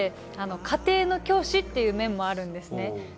家庭の教師という面もあるですね。